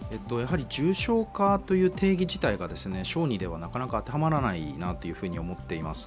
重症化という定義自体が小児ではなかなか当てはまらないというふうに思っています。